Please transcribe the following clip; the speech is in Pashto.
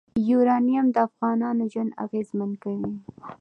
یورانیم د افغانانو ژوند اغېزمن کوي.